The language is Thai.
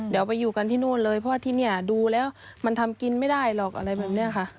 เดี๋ยวไปอยู่กันที่นู่นเลยเพราะว่าที่นี่ดูแล้วมันทำกินไม่ได้หรอกอะไรแบบนี้ค่ะ